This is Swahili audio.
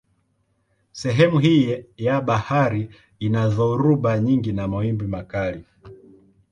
Sehemu hii ya bahari ina dhoruba nyingi na mawimbi makali.